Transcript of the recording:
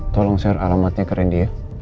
tolong share alamatnya ke rendy ya